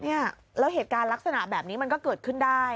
เนี่ยแล้วเหตุการณ์ลักษณะแบบนี้มันก็เกิดขึ้นได้